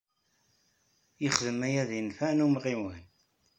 Yexdem aya deg nnfeɛ n umɣiwan.